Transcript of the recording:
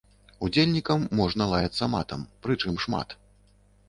Удзельнікам можна лаяцца матам, прычым шмат.